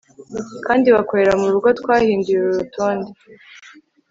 kandi bakorera murugo, twahinduye uru rutonde